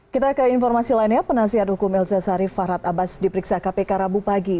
kita ke informasi lainnya penasihat hukum elsa sarif farhad abbas diperiksa kpk rabu pagi